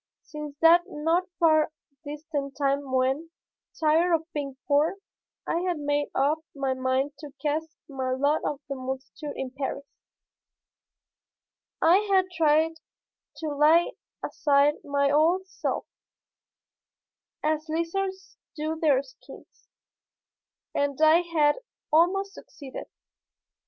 Since that not far distant time when, tired of being poor, I had made up my mind to cast my lot with the multitude in Paris, I had tried to lay aside my old self, as lizards do their skins, and I had almost succeeded.